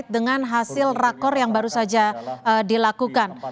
dengan hasil rakor yang baru saja dilakukan